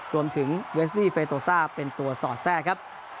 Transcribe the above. รวมถึงเวสนี่เฟโตซ่าเป็นตัวสอดแทรกครับ